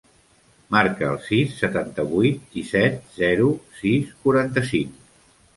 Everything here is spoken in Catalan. Marca el sis, setanta-vuit, disset, zero, sis, quaranta-cinc.